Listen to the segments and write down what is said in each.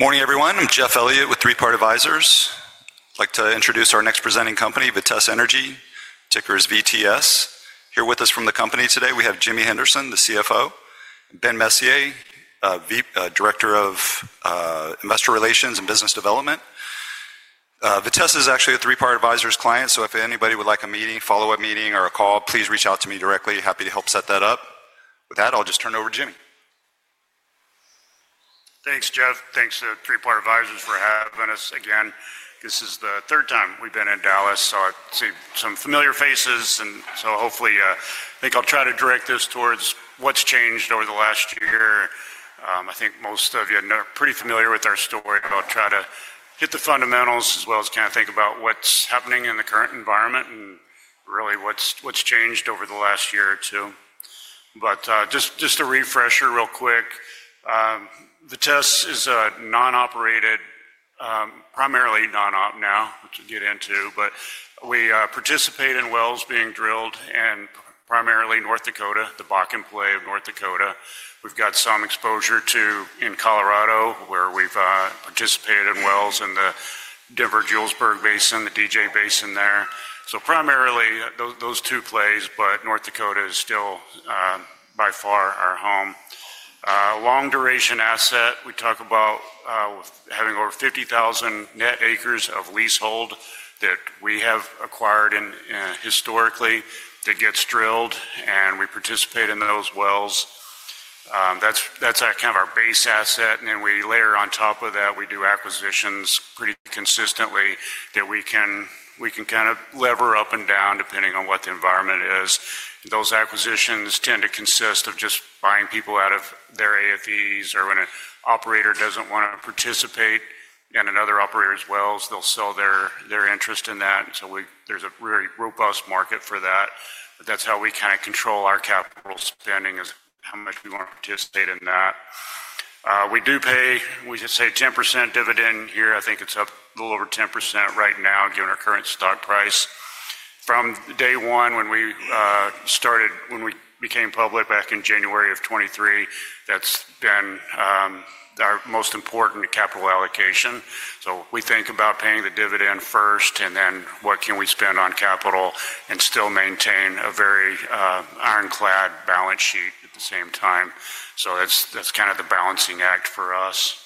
Morning, everyone. I'm Jeff Elliott with Three Part Advisors. I'd like to introduce our next presenting company, Vitesse Energy, ticker is VTS. Here with us from the company today, we have Jimmy Henderson, the CFO, Ben Messier, Director of Investor Relations and Business Development. Vitesse is actually a Three Part Advisors client, so if anybody would like a meeting, follow-up meeting, or a call, please reach out to me directly. Happy to help set that up. With that, I'll just turn it over to Jimmy. Thanks, Jeff. Thanks to Three Part Advisors for having us again. This is the third time we've been in Dallas, so I see some familiar faces. Hopefully, I think I'll try to direct this towards what's changed over the last year. I think most of you are pretty familiar with our story. I'll try to hit the fundamentals as well as kind of think about what's happening in the current environment and really what's changed over the last year or two. Just a refresher real quick, Vitesse is a non-operated, primarily non-op now, which we'll get into, but we participate in wells being drilled in primarily North Dakota, the Bakken Play of North Dakota. We've got some exposure to in Colorado, where we've participated in wells in the Denver-Julesburg Basin, the DJ Basin there. Primarily those two plays, but North Dakota is still by far our home. Long-duration asset, we talk about having over 50,000 net acres of leasehold that we have acquired historically that gets drilled, and we participate in those wells. That is kind of our base asset. Then we layer on top of that, we do acquisitions pretty consistently that we can kind of lever up and down depending on what the environment is. Those acquisitions tend to consist of just buying people out of their AFEs. Or when an operator does not want to participate in another operator's wells, they will sell their interest in that. There is a very robust market for that. That is how we kind of control our capital spending, how much we want to participate in that. We do pay, we just say 10% dividend here. I think it's a little over 10% right now, given our current stock price. From day one when we started, when we became public back in January of 2023, that's been our most important capital allocation. We think about paying the dividend first and then what can we spend on capital and still maintain a very ironclad balance sheet at the same time. That's kind of the balancing act for us.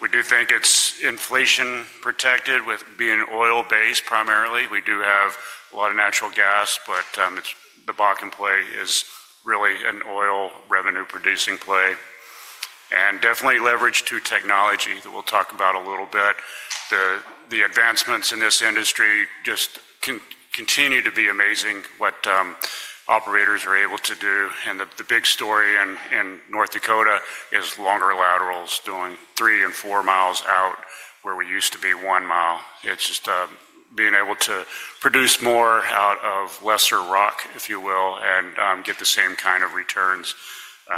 We do think it's inflation protected with being oil-based primarily. We do have a lot of natural gas, but the Bakken Play is really an oil revenue-producing play. Definitely leverage to technology that we'll talk about a little bit. The advancements in this industry just continue to be amazing, what operators are able to do. The big story in North Dakota is longer laterals doing three and four miles out where we used to be one mile. It's just being able to produce more out of lesser rock, if you will, and get the same kind of returns. We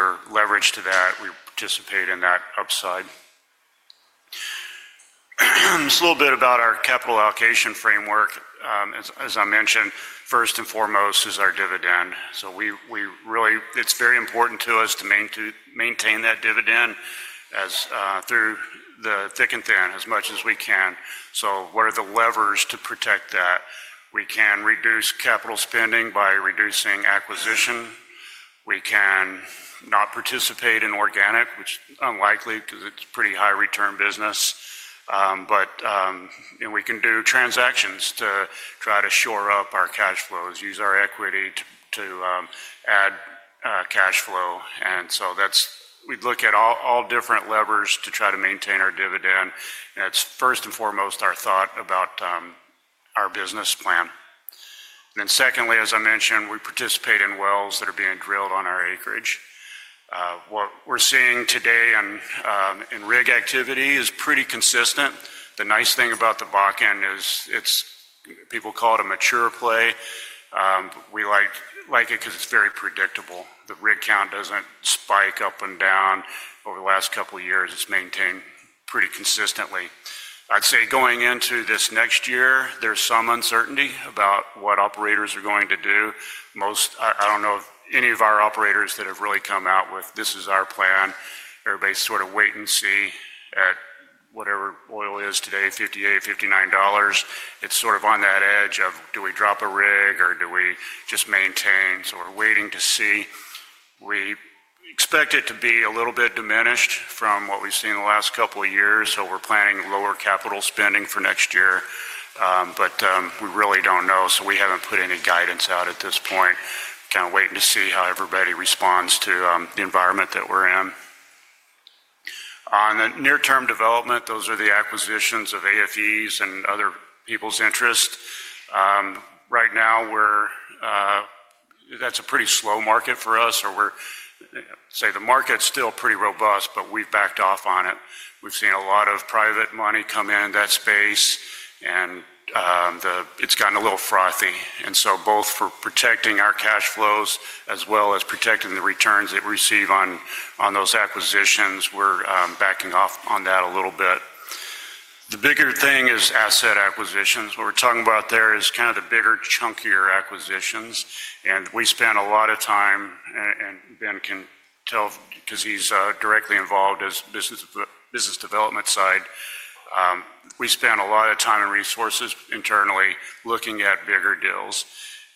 are leveraged to that. We participate in that upside. Just a little bit about our capital allocation framework. As I mentioned, first and foremost is our dividend. It's very important to us to maintain that dividend through the thick and thin as much as we can. What are the levers to protect that? We can reduce capital spending by reducing acquisition. We can not participate in organic, which is unlikely because it's a pretty high-return business. We can do transactions to try to shore up our cash flows, use our equity to add cash flow. We look at all different levers to try to maintain our dividend. It is first and foremost our thought about our business plan. Then, as I mentioned, we participate in wells that are being drilled on our acreage. What we are seeing today in rig activity is pretty consistent. The nice thing about the Bakken is people call it a mature play. We like it because it is very predictable. The rig count does not spike up and down over the last couple of years. It has maintained pretty consistently. I would say going into this next year, there is some uncertainty about what operators are going to do. I do not know of any of our operators that have really come out with, "This is our plan." Everybody is sort of wait and see at whatever oil is today, $58, $59. It's sort of on that edge of, do we drop a rig or do we just maintain? We are waiting to see. We expect it to be a little bit diminished from what we've seen the last couple of years. We are planning lower capital spending for next year. We really do not know. We have not put any guidance out at this point. Kind of waiting to see how everybody responds to the environment that we are in. On the near-term development, those are the acquisitions of AFEs and other people's interests. Right now, that is a pretty slow market for us. The market is still pretty robust, but we have backed off on it. We have seen a lot of private money come in that space, and it has gotten a little frothy. Both for protecting our cash flows as well as protecting the returns that we receive on those acquisitions, we're backing off on that a little bit. The bigger thing is asset acquisitions. What we're talking about there is kind of the bigger, chunkier acquisitions. We spend a lot of time, and Ben can tell because he's directly involved in the business development side. We spend a lot of time and resources internally looking at bigger deals.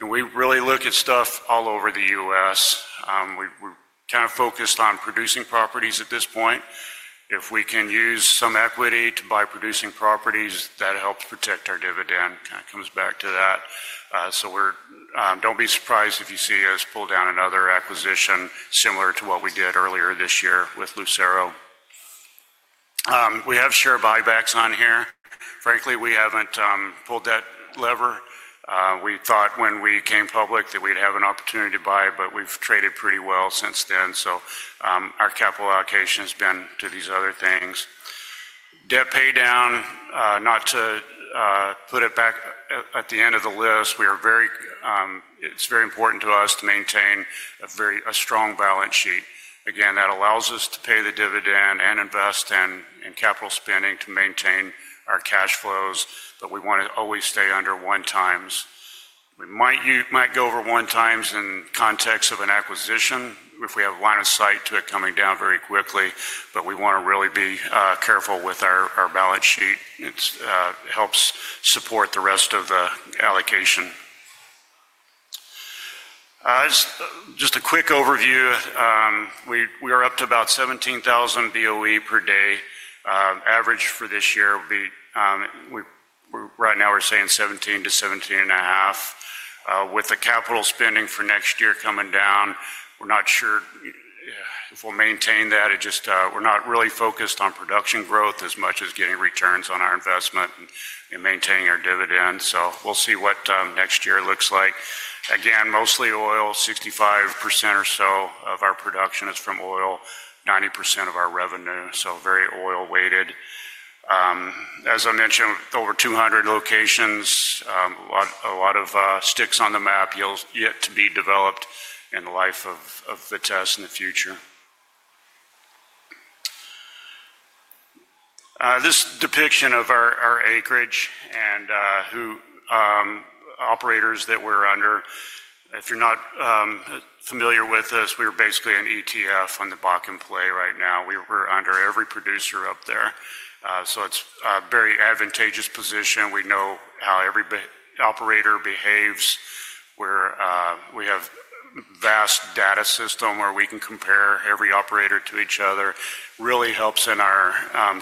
We really look at stuff all over the U.S. We're kind of focused on producing properties at this point. If we can use some equity to buy producing properties, that helps protect our dividend. Kind of comes back to that. Do not be surprised if you see us pull down another acquisition similar to what we did earlier this year with Lucero. We have share buybacks on here. Frankly, we haven't pulled that lever. We thought when we came public that we'd have an opportunity to buy, but we've traded pretty well since then. Our capital allocation has been to these other things. Debt pay down, not to put it back at the end of the list, it's very important to us to maintain a strong balance sheet. Again, that allows us to pay the dividend and invest in capital spending to maintain our cash flows. We want to always stay under one times. We might go over one times in context of an acquisition if we have a line of sight to it coming down very quickly. We want to really be careful with our balance sheet. It helps support the rest of the allocation. Just a quick overview. We are up to about 17,000 Boe per day. Average for this year, right now we're saying 17,000-17,500 Boe. With the capital spending for next year coming down, we're not sure if we'll maintain that. We're not really focused on production growth as much as getting returns on our investment and maintaining our dividend. We'll see what next year looks like. Again, mostly oil, 65% or so of our production is from oil, 90% of our revenue. Very oil-weighted. As I mentioned, over 200 locations, a lot of sticks on the map yet to be developed in the life of Vitesse in the future. This depiction of our acreage and who operators that we're under. If you're not familiar with us, we're basically an ETF on the Bakken Play right now. We're under every producer up there. It's a very advantageous position. We know how every operator behaves. We have a vast data system where we can compare every operator to each other. It really helps in our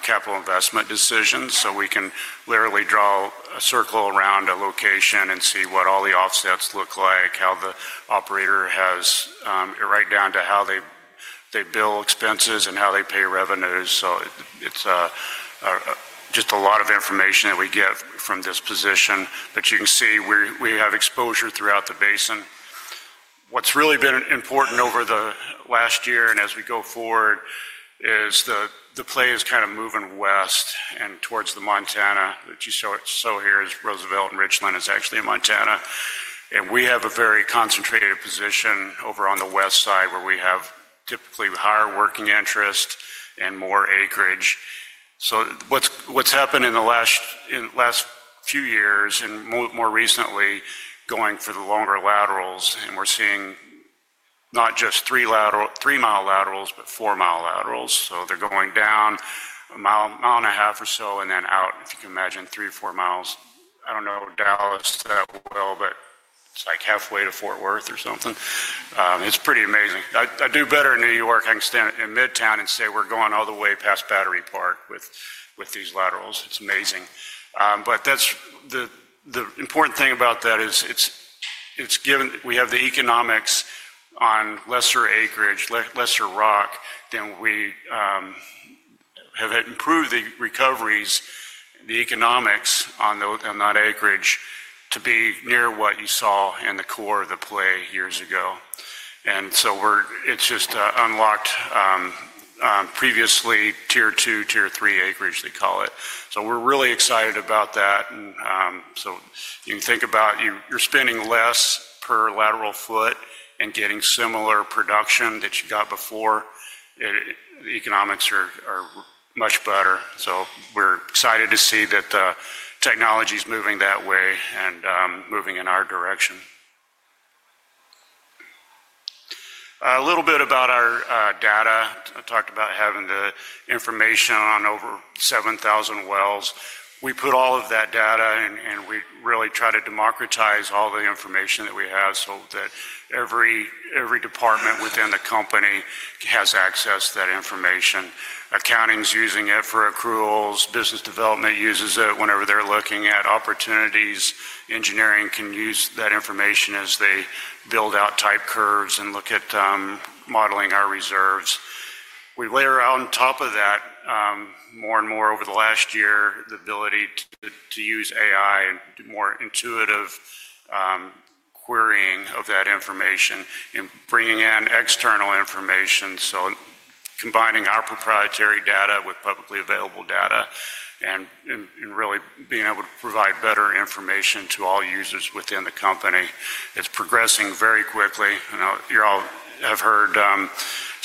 capital investment decisions. We can literally draw a circle around a location and see what all the offsets look like, how the operator has it right down to how they bill expenses and how they pay revenues. It is just a lot of information that we get from this position. You can see we have exposure throughout the basin. What has really been important over the last year and as we go forward is the play is kind of moving west and towards Montana. What you saw here is Roosevelt and Richland is actually in Montana. We have a very concentrated position over on the west side where we have typically higher working interest and more acreage. What's happened in the last few years and more recently going for the longer laterals, and we're seeing not just three-mile laterals, but four-mile laterals. They're going down a mile and a half or so and then out, if you can imagine, three or four miles. I don't know Dallas that well, but it's like halfway to Fort Worth or something. It's pretty amazing. I do better in New York. I can stand in Midtown and say we're going all the way past Battery Park with these laterals. It's amazing. The important thing about that is we have the economics on lesser acreage, lesser rock, then we have improved the recoveries, the economics on that acreage to be near what you saw in the core of the play years ago. It's just unlocked previously tier two, tier three acreage, they call it. We're really excited about that. You can think about you're spending less per lateral foot and getting similar production that you got before. The economics are much better. We're excited to see that the technology is moving that way and moving in our direction. A little bit about our data. I talked about having the information on over 7,000 wells. We put all of that data and we really try to democratize all the information that we have so that every department within the company has access to that information. Accounting is using it for accruals. Business development uses it whenever they're looking at opportunities. Engineering can use that information as they build out type curves and look at modeling our reserves. We layer on top of that more and more over the last year, the ability to use AI and more intuitive querying of that information and bringing in external information. Combining our proprietary data with publicly available data and really being able to provide better information to all users within the company. It's progressing very quickly. You all have heard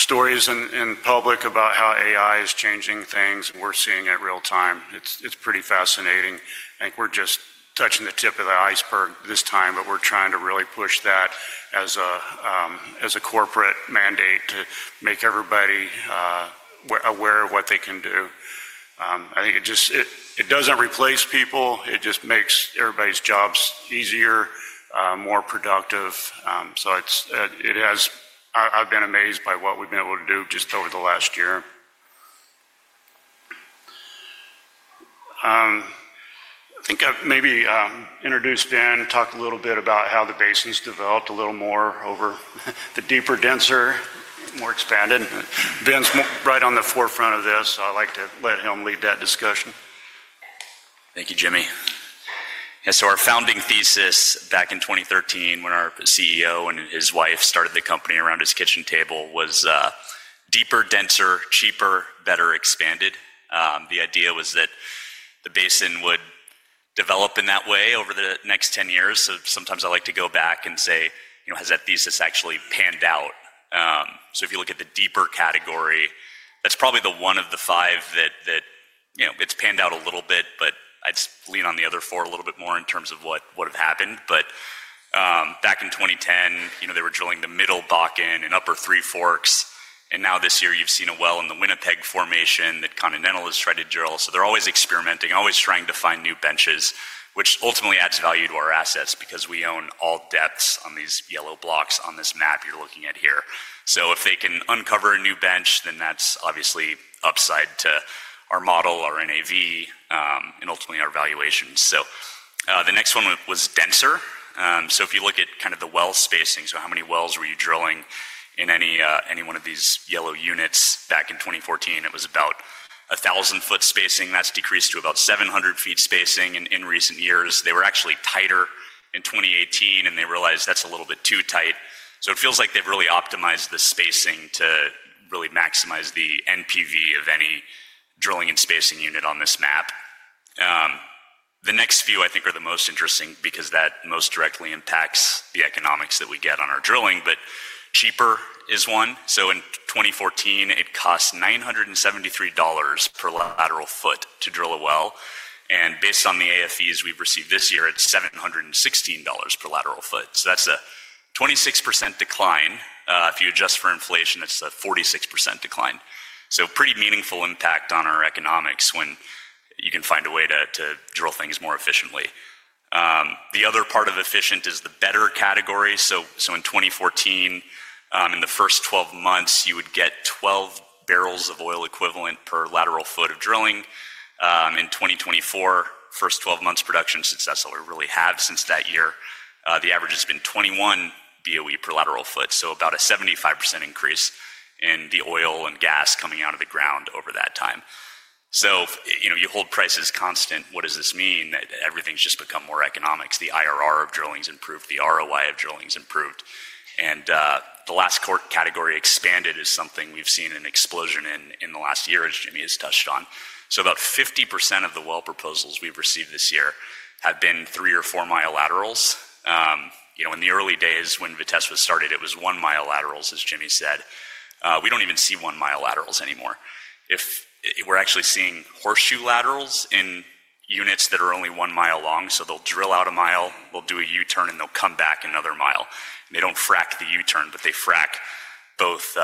stories in public about how AI is changing things, and we're seeing it real time. It's pretty fascinating. I think we're just touching the tip of the iceberg this time, but we're trying to really push that as a corporate mandate to make everybody aware of what they can do. I think it doesn't replace people. It just makes everybody's jobs easier, more productive. I've been amazed by what we've been able to do just over the last year. I think I've maybe introduced Ben, talked a little bit about how the basin's developed a little more over the deeper, denser, more expanded. Ben's right on the forefront of this. I'd like to let him lead that discussion. Thank you, Jimmy. Yeah, so our founding thesis back in 2013, when our CEO and his wife started the company around his kitchen table, was deeper, denser, cheaper, better expanded. The idea was that the basin would develop in that way over the next 10 years. Sometimes I like to go back and say, has that thesis actually panned out? If you look at the deeper category, that's probably the one of the five that it's panned out a little bit, but I'd lean on the other four a little bit more in terms of what would have happened. Back in 2010, they were drilling the middle Bakken and upper Three Forks. Now this year, you've seen a well in the Winnipeg formation that Continental has tried to drill. They're always experimenting, always trying to find new benches, which ultimately adds value to our assets because we own all depths on these yellow blocks on this map you're looking at here. If they can uncover a new bench, then that's obviously upside to our model, our NAV, and ultimately our valuation. The next one was denser. If you look at kind of the well spacing, how many wells were you drilling in any one of these yellow units back in 2014? It was about 1,000 ft spacing. That's decreased to about 700 ft spacing in recent years. They were actually tighter in 2018, and they realized that's a little bit too tight. It feels like they've really optimized the spacing to really maximize the NPV of any drilling and spacing unit on this map. The next few, I think, are the most interesting because that most directly impacts the economics that we get on our drilling. Cheaper is one. In 2014, it costs $973 per lateral foot to drill a well. Based on the AFEs we've received this year, it's $716 per lateral foot. That's a 26% decline. If you adjust for inflation, it's a 46% decline. Pretty meaningful impact on our economics when you can find a way to drill things more efficiently. The other part of efficient is the better category. In 2014, in the first 12 months, you would get 12 bbl of oil equivalent per lateral foot of drilling. In 2024, first 12 months production success that we really have since that year, the average has been 21 Boe per lateral foot. So about a 75% increase in the oil and gas coming out of the ground over that time. You hold prices constant. What does this mean? That everything's just become more economics. The IRR of drilling has improved. The ROI of drilling has improved. The last category, expanded, is something we've seen an explosion in the last year, as Jimmy has touched on. About 50% of the well proposals we've received this year have been three or four-mile laterals. In the early days when Vitesse was started, it was 1 mi laterals, as Jimmy said. We don't even see 1 mi laterals anymore. We're actually seeing horseshoe laterals in units that are only 1 mi long. They'll drill out a mile, they'll do a U-turn, and they'll come back another mile. They don't frack the U-turn, but they frack both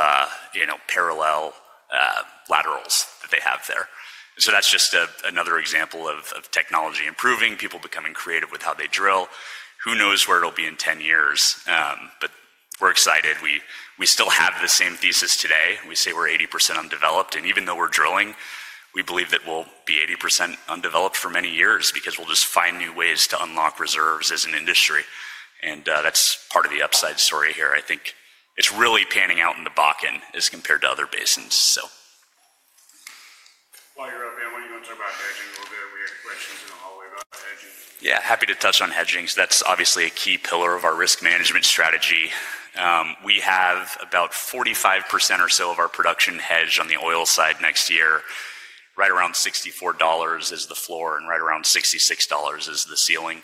parallel laterals that they have there. That's just another example of technology improving, people becoming creative with how they drill. Who knows where it'll be in 10 years? We're excited. We still have the same thesis today. We say we're 80% undeveloped. Even though we're drilling, we believe that we'll be 80% undeveloped for many years because we'll just find new ways to unlock reserves as an industry. That's part of the upside story here. I think it's really panning out in the Bakken as compared to other basins. While you're up, Ben, why don't you want to talk about hedging a little bit? We had questions in the hallway about hedges. Yeah, happy to touch on hedging. That's obviously a key pillar of our risk management strategy. We have about 45% or so of our production hedged on the oil side next year. Right around $64 is the floor and right around $66 is the ceiling.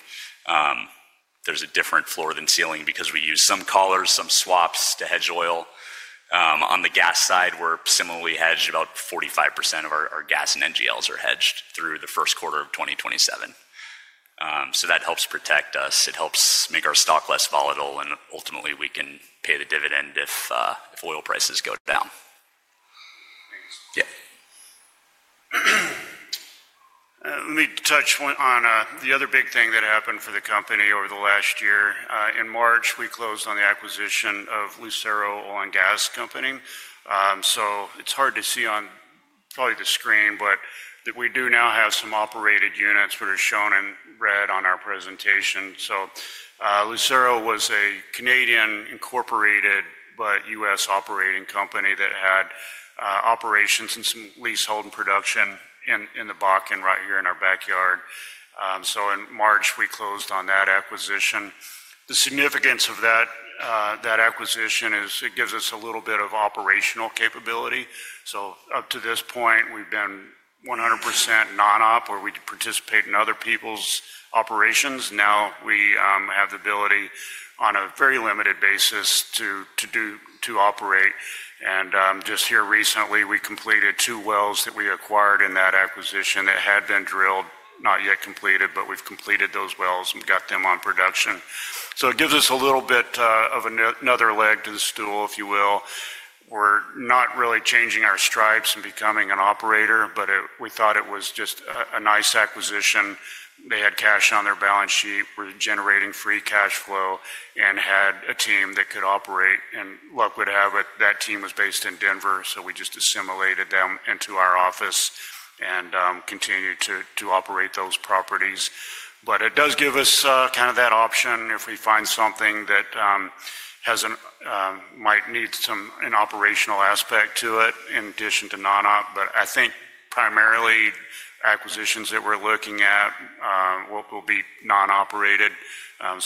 There's a different floor than ceiling because we use some collars, some swaps to hedge oil. On the gas side, we're similarly hedged. About 45% of our gas and NGLs are hedged through the first quarter of 2027. That helps protect us. It helps make our stock less volatile. Ultimately, we can pay the dividend if oil prices go down. Thanks. Yeah. Let me touch on the other big thing that happened for the company over the last year. In March, we closed on the acquisition of Lucero, oil and gas company. It is hard to see on probably the screen, but we do now have some operated units that are shown in red on our presentation. Lucero was a Canadian incorporated but U.S. operating company that had operations and some leasehold and production in the Bakken right here in our backyard. In March, we closed on that acquisition. The significance of that acquisition is it gives us a little bit of operational capability. Up to this point, we have been 100% non-op where we participate in other people's operations. Now we have the ability on a very limited basis to operate. Just here recently, we completed two wells that we acquired in that acquisition that had been drilled, not yet completed, but we have completed those wells and got them on production. It gives us a little bit of another leg to the stool, if you will. We're not really changing our stripes and becoming an operator, but we thought it was just a nice acquisition. They had cash on their balance sheet. We're generating free cash flow and had a team that could operate. Luck would have it, that team was based in Denver, so we just assimilated them into our office and continued to operate those properties. It does give us kind of that option if we find something that might need an operational aspect to it in addition to non-op. I think primarily acquisitions that we're looking at will be non-operated.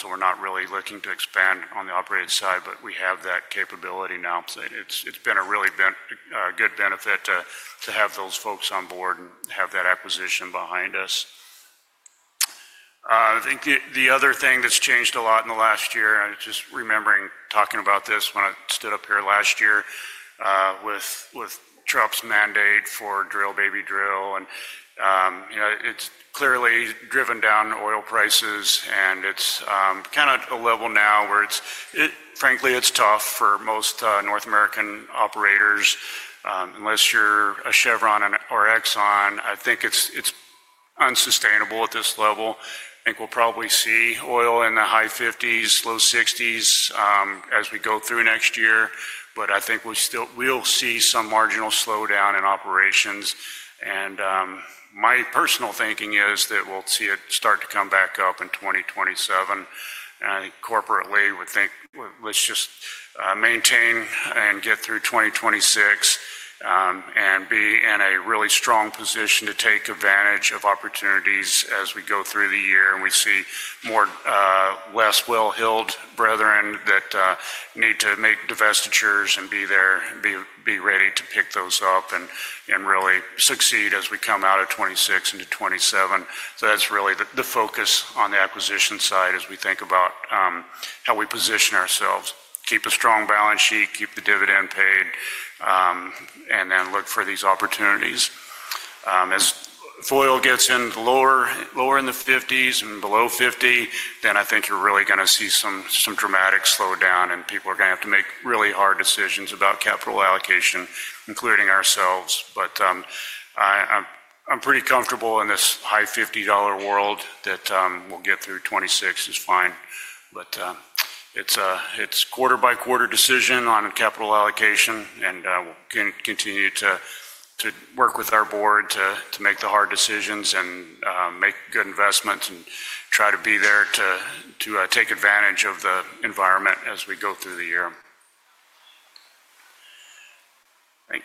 We're not really looking to expand on the operated side, but we have that capability now. It has been a really good benefit to have those folks on board and have that acquisition behind us. I think the other thing that's changed a lot in the last year, just remembering talking about this when I stood up here last year with Trump's mandate for drill, baby drill. It's clearly driven down oil prices, and it's kind of a level now where it's, frankly, it's tough for most North American operators unless you're a Chevron or Exxon. I think it's unsustainable at this level. I think we'll probably see oil in the high $50s, low $60s as we go through next year. I think we'll see some marginal slowdown in operations. My personal thinking is that we'll see it start to come back up in 2027. I think corporately we think let's just maintain and get through 2026 and be in a really strong position to take advantage of opportunities as we go through the year. We see more less well-heeled brethren that need to make divestitures and be there and be ready to pick those up and really succeed as we come out of 2026 into 2027. That is really the focus on the acquisition side as we think about how we position ourselves. Keep a strong balance sheet, keep the dividend paid, and then look for these opportunities. As oil gets lower in the $50s and below $50, I think you are really going to see some dramatic slowdown, and people are going to have to make really hard decisions about capital allocation, including ourselves. I am pretty comfortable in this high $50 world that we will get through 2026 just fine. It is quarter-by-quarter decision on capital allocation, and we'll continue to work with our board to make the hard decisions and make good investments and try to be there to take advantage of the environment as we go through the year.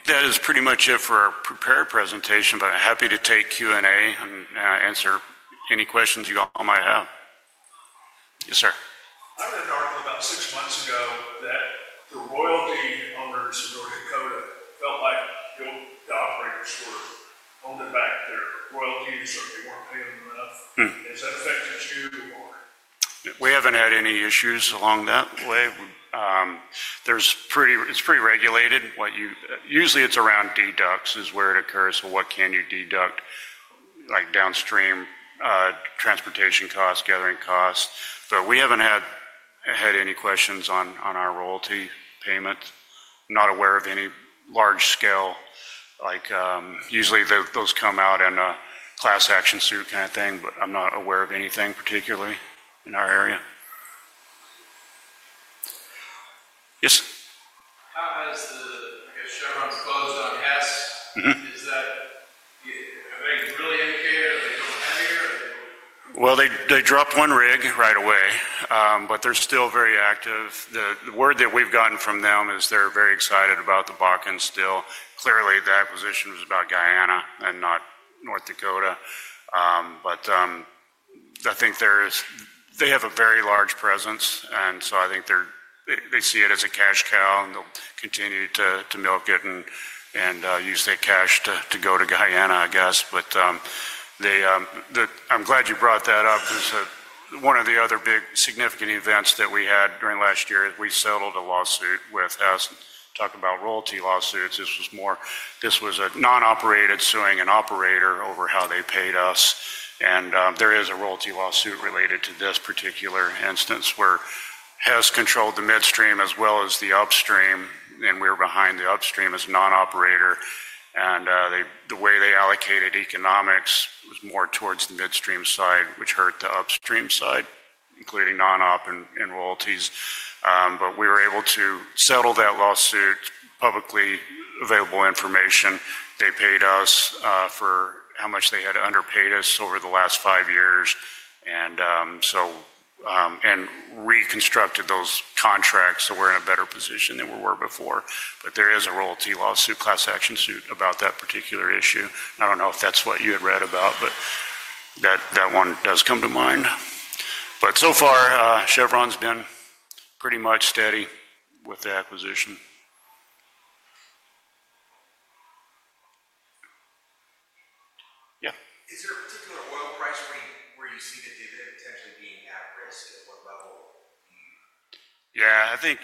That is pretty much it for our prepared presentation, but I'm happy to take Q&A and answer any questions you all might have. Yes, sir. I read an article about six months ago that the royalty owners of North Dakota felt like the operators were holding back their royalties or they weren't paying them enough. Has that affected you or? We haven't had any issues along that way. It's pretty regulated. Usually, it's around deducts is where it occurs. What can you deduct? Like downstream transportation costs, gathering costs. We haven't had any questions on our royalty payments. I'm not aware of any large scale. Usually, those come out in a class action suit kind of thing, but I'm not aware of anything particularly in our area. Yes. How has the, I guess, Chevron's closed on Hess? Is that, have they really indicated? Are they going heavier? They dropped one rig right away, but they're still very active. The word that we've gotten from them is they're very excited about the Bakken still. Clearly, the acquisition was about Guyana and not North Dakota. I think they have a very large presence, and so I think they see it as a cash cow, and they'll continue to milk it and use their cash to go to Guyana, I guess. I'm glad you brought that up. One of the other big significant events that we had during last year is we settled a lawsuit with Hess. Talking about royalty lawsuits, this was a non-operated suing an operator over how they paid us. There is a royalty lawsuit related to this particular instance where Hess controlled the midstream as well as the upstream, and we were behind the upstream as a non-operator. The way they allocated economics was more towards the midstream side, which hurt the upstream side, including non-op and royalties. We were able to settle that lawsuit, publicly available information. They paid us for how much they had underpaid us over the last five years and reconstructed those contracts so we're in a better position than we were before. There is a royalty lawsuit, class action suit about that particular issue. I don't know if that's what you had read about, but that one does come to mind. So far, Chevron has been pretty much steady with the acquisition. Yeah. Is there a particular oil price where you see the dividend potentially being at risk? At what level? Yeah. I think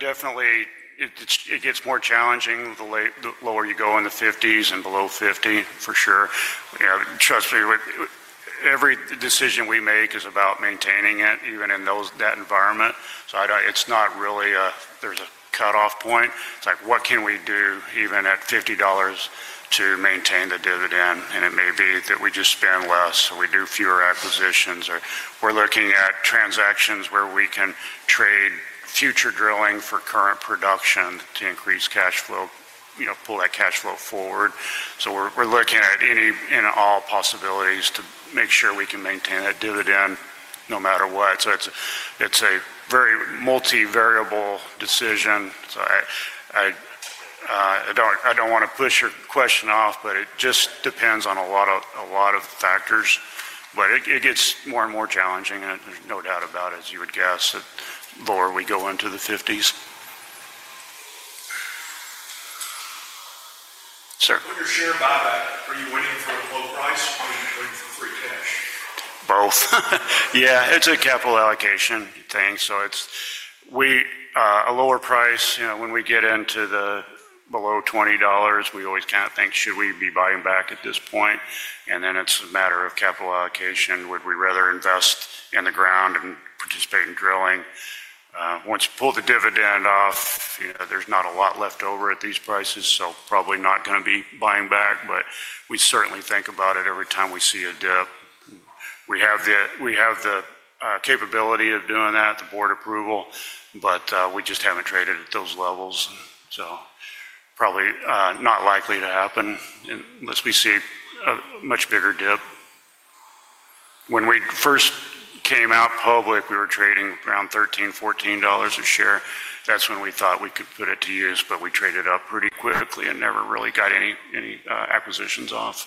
definitely it gets more challenging the lower you go in the $50s and below $50, for sure. Every decision we make is about maintaining it, even in that environment. It's not really a cutoff point. It's like, what can we do even at $50 to maintain the dividend? It may be that we just spend less or we do fewer acquisitions. We're looking at transactions where we can trade future drilling for current production to increase cash flow, pull that cash flow forward. We're looking at any and all possibilities to make sure we can maintain that dividend no matter what. It's a very multi-variable decision. I don't want to push your question off, but it just depends on a lot of factors. It gets more and more challenging, and there is no doubt about it, as you would guess, the lower we go into the $50s. Sir. Under Sherrod Bobbat, are you waiting for a low price or are you waiting for free cash? Both. Yeah. It is a capital allocation thing. A lower price, when we get into the below $20, we always kind of think, should we be buying back at this point? Then it is a matter of capital allocation. Would we rather invest in the ground and participate in drilling? Once you pull the dividend off, there is not a lot left over at these prices, so probably not going to be buying back. We certainly think about it every time we see a dip. We have the capability of doing that, the board approval, but we just have not traded at those levels. Probably not likely to happen unless we see a much bigger dip. When we first came out public, we were trading around $13, $14 a share. That's when we thought we could put it to use, but we traded up pretty quickly and never really got any acquisitions off.